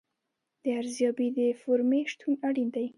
د ارزیابۍ د فورمې شتون اړین دی.